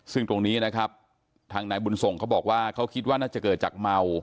ซึ่งตรงนี้นะครับทางนายบุญส่งเขาบอกว่าเขาคิดว่าน่าจะเกิดจากเมา